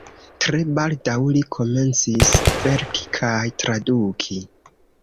Tre baldaŭ li komencis verki kaj traduki.